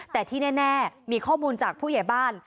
แต่ที่แน่มีข้อมูลจากผู้ใหญ่บ้าน